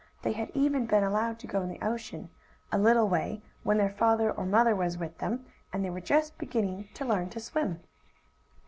They had even been allowed to go in the ocean, a little way, when their father or mother was with them, and they were just beginning to learn to swim.